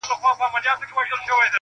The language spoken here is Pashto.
په قسمت کي بری زما وو رسېدلی-